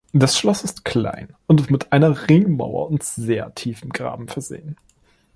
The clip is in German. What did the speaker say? Das Schloss ist klein, und mit einer Ringmauer und sehr tiefem Graben versehen.